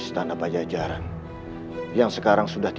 tayang dua puluh tiga februari dua ribu dua puluh tiga